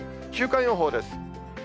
週間予報です。